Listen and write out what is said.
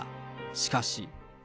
しかし。